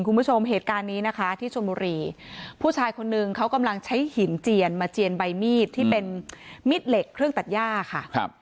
คุณผู้ชมเหตุการณ์นี้นะคะที่ชนบุรีผู้ชายคนนึงเขากำลังใช้หินเจียนมาเจียนใบมีดที่เป็นมิดเหล็กเครื่องตัดย่าค่ะครับ